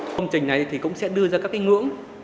công trình này thì cũng sẽ đưa ra các cái ngưỡng